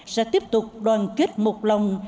sẽ tiếp tục đoàn kết một lòng